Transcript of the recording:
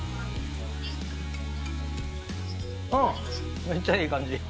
うんめっちゃいい感じ。